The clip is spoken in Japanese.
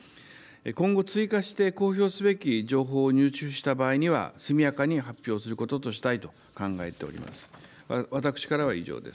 今後、追加して公表すべき情報を入手した場合には、速やかに発表することとしたいと考えております。